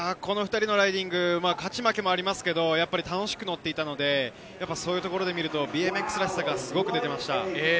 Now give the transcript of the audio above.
勝ち負けはありますが、楽しく乗っていたので、そういうところで見るとＢＭＸらしさがすごく出ていました。